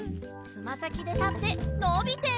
つまさきでたってのびて！